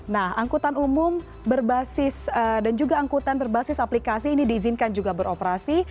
nah angkutan umum berbasis dan juga angkutan berbasis aplikasi ini diizinkan juga beroperasi